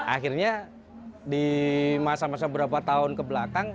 akhirnya di masa masa berapa tahun kebelakang